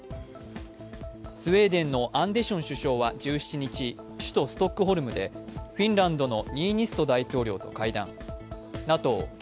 スウェーデンのアンデション首相は１７日、首都ストックホルムでフィンランドのニーニスト大統領と会談。